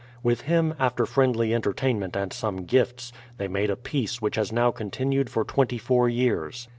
With him, after friendly en tertainment and some gifts, they made a peace which has now continued for twenty four years.